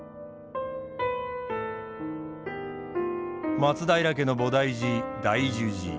松平家の菩提寺大樹寺。